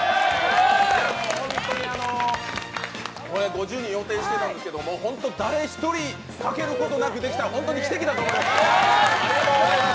本当に５０人予定してたんですけれども、本当に誰１人欠けることなくできた本当に奇跡だと思います。